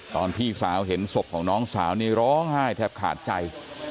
พี่สาวเห็นศพของน้องสาวนี่ร้องไห้แทบขาดใจ